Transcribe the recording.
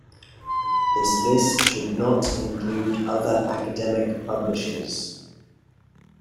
This list should not include other academic publishers.